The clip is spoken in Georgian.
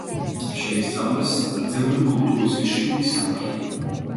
შეისწავლეს ძელური კულტურის შვიდი სამარხი.